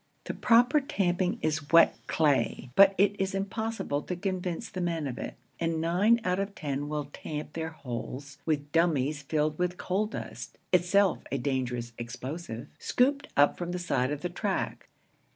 The proper tamping is wet clay, but it is impossible to convince the men of it, and nine out of ten will tamp their holes with dummies filled with coal dust (itself a dangerous explosive) scooped up from the side of the track.